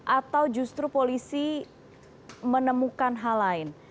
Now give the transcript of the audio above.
atau justru polisi menemukan hal lain